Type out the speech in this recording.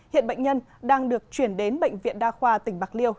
hiện bệnh nhân đang được chuyển đến bệnh viện đa khoa tỉnh bạc liêu